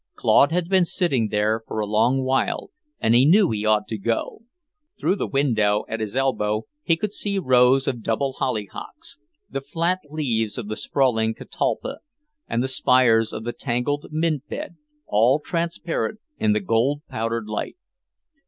Claude had been sitting there for a long while, and he knew he ought to go. Through the window at his elbow he could see rows of double hollyhocks, the flat leaves of the sprawling catalpa, and the spires of the tangled mint bed, all transparent in the gold powdered light.